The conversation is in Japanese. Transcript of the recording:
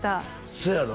そやろ